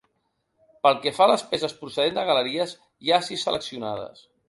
Pel que fa a les peces procedent de galeries, hi ha sis seleccionades.